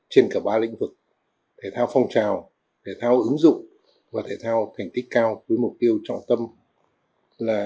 trên cả ba lĩnh vực thể thao phong trào thể thao ứng dụng và thể thao thành tích cao với mục tiêu trọng tâm là